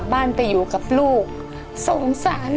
อยู่ในครอบครอบครัว